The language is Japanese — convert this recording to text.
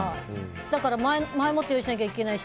だから、前もって用意しなきゃいけないし。